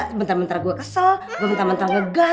ngerti apa lo masalah jatuh cinta lo